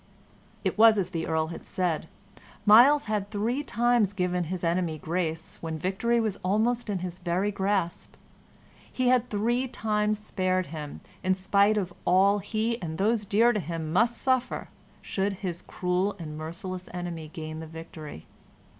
It was as the Earl had said; Myles had three times given his enemy grace when victory was almost in his very grasp. He had three times spared him, in spite of all he and those dear to him must suffer should his cruel and merciless enemy gain the victory.